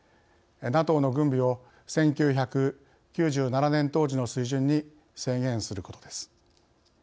ＮＡＴＯの軍備を１９９７年当時の水準に制限することです。